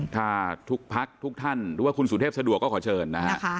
ถ้าทุกพักทุกท่านหรือว่าคุณสุเทพสะดวกก็ขอเชิญนะฮะ